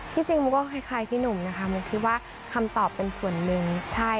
จริงมุกก็คล้ายพี่หนุ่มนะคะมุกคิดว่าคำตอบเป็นส่วนหนึ่งใช่